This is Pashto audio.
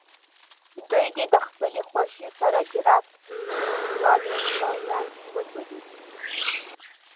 دوی دې د خپلې خوښې پاراګراف ټولګیوالو په وړاندې ولولي.